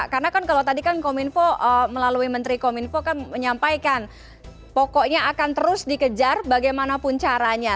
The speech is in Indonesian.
karena kan kalau tadi kan kominfo melalui menteri kominfo kan menyampaikan pokoknya akan terus dikejar bagaimanapun caranya